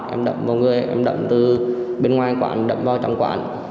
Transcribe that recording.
em đậm vào người em đậm từ bên ngoài quán đậm vào trong quán